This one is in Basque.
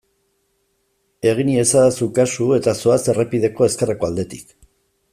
Egin iezadazu kasu eta zoaz errepideko ezkerreko aldetik.